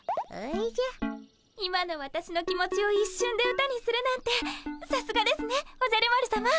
今のわたしの気持ちを一瞬で歌にするなんてさすがですねおじゃる丸さま。